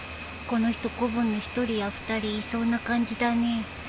この人子分の１人や２人いそうな感じだねえ